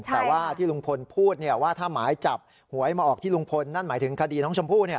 แต่ว่าที่ลุงพลพูดว่าถ้าหมายจับหวยมาออกที่ลุงพลนั่นหมายถึงคดีน้องชมพู่